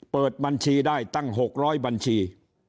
เปิดบัญชีได้ตั้ง๖๐๐บัญชี